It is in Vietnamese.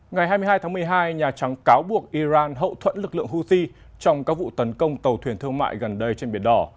ngày hai mươi hai tháng một mươi hai nhà trắng cáo buộc iran hậu thuẫn lực lượng houthi trong các vụ tấn công tàu thuyền thương mại gần đây trên biển đỏ